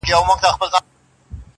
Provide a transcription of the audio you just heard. ماته ژړا نه راځي کله چي را یاد کړم هغه.